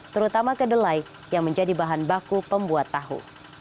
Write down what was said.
terutama kedelai yang menjadi bahan baku pembuat tahu